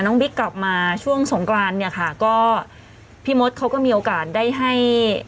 บิ๊กกลับมาช่วงสงกรานเนี่ยค่ะก็พี่มดเขาก็มีโอกาสได้ให้